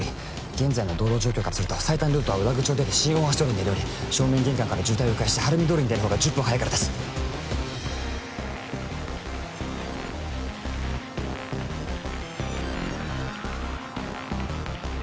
現在の道路状況からすると最短ルートは裏口を出て新大橋通りに出るより正面玄関から渋滞をう回して晴海通りに出る方が１０分早いからですよし行くぞあっはい